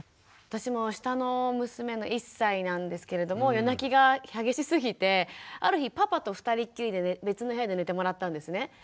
私も下の娘が１歳なんですけれども夜泣きが激しすぎてある日パパと２人きりで別の部屋で寝てもらったんですね。